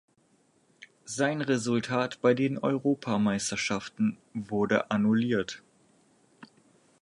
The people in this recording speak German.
Sein Resultat bei den Europameisterschaften wurde annulliert.